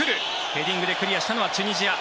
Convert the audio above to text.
ヘディングでクリアしたのはチュニジア。